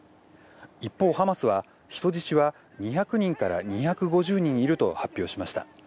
一方、ハマスは、人質は２００人から２５０人いると発表しました。